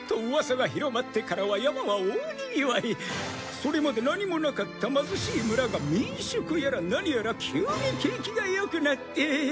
それまで何もなかった貧しい村が民宿やら何やら急に景気が良くなって。